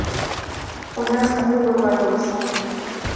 У нас клубы кладуцца!